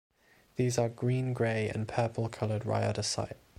These are green-grey and purple coloured rhyodacite.